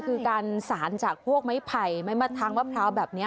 คือการสารจากพวกไม้ไผ่ไม้มัดทางมะพร้าวแบบนี้